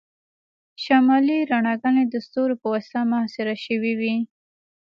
شمالي رڼاګانې د ستورو په واسطه محاصره شوي وي